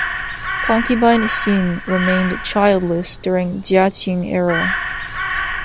Concubine Xin remained childless during Jiaqing era.